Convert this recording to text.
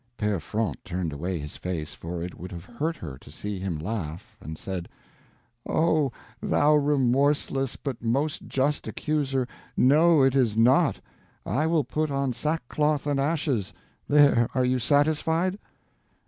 Pere Fronte turned away his face, for it would have hurt her to see him laugh, and said: "Oh, thou remorseless but most just accuser, no, it is not. I will put on sackcloth and ashes; there—are you satisfied?"